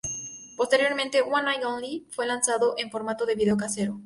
Posteriormente, "One Night Only" fue lanzado en formato de video casero.